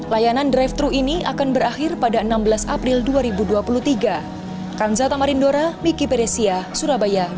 layanan drive thru ini akan berakhir pada enam belas april dua ribu dua puluh tiga